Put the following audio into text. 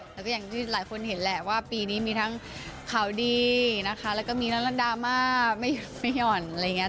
แล้วก็อย่างที่หลายคนเห็นแหละว่าปีนี้มีทั้งข่าวดีนะคะแล้วก็มีร้านดราม่าไม่หย่อนอะไรอย่างนี้